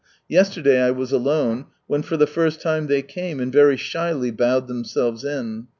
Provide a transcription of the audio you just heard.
Yesterday I was alone, when for the first time they came, and very shyly bowed themselves in.